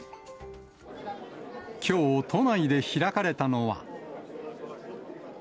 きょう、都内で開かれたのは。